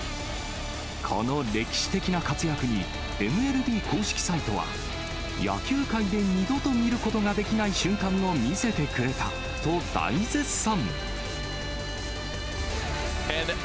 この歴史的な活躍に、ＭＬＢ公式サイトは、野球界で二度と見ることができない瞬間を見せてくれたと大絶賛。